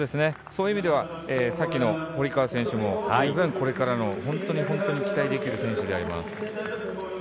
そういう意味では、さっきの堀川選手も十分、これからの本当に期待できる選手であります。